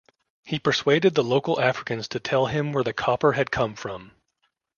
He persuaded the local Africans to tell him where the copper had come from.